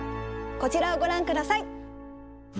こちらをご覧ください。